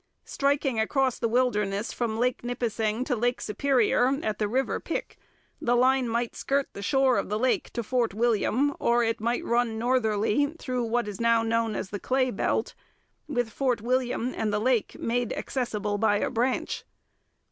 Striking across the wilderness from Lake Nipissing to Lake Superior at the river Pic, the line might skirt the shore of the lake to Fort William, or it might run northerly through what is now known as the clay belt, with Fort William and the lake made accessible by a branch.